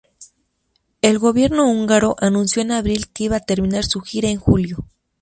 El gobierno húngaro anunció en abril que iba a terminar su gira en julio.